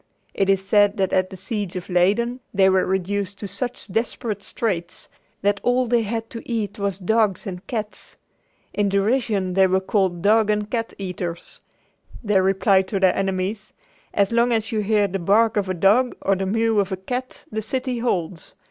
It is said that at the siege of Leyden they were reduced to such desperate straits that all they had to eat was dogs and cats. In derision they were called "dog and cat eaters." They replied to their enemies: "As long as you hear the bark of a dog or the mew of a cat the city holds.